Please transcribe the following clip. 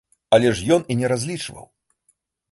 Але ж ён і не разлічваў.